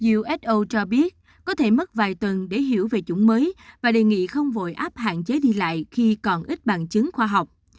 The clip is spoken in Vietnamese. uso cho biết có thể mất vài tuần để hiểu về chủng mới và đề nghị không vội áp hạn chế đi lại khi còn ít bằng chứng khoa học